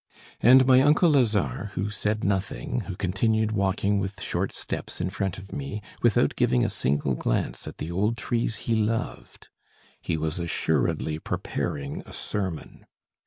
And my uncle Lazare, who said nothing, who continued walking with short steps in front of me, without giving a single glance at the old trees he loved! He was assuredly preparing a sermon.